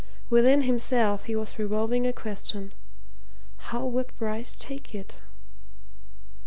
Within himself he was revolving a question how would Bryce take it?